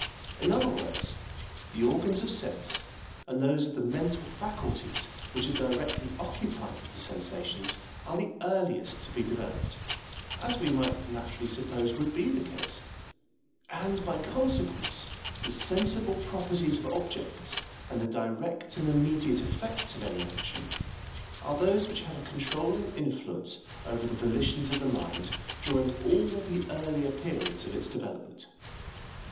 In other words, the organs of sense and of those mental faculties which are directly occupied with the sensations, are the earliest to be developed, as we might naturally suppose would be the case; and, by consequence, the sensible properties of objects and the direct and immediate effects of any action, are those which have a controlling influence over the volitions of the mind during all the earlier periods of its development.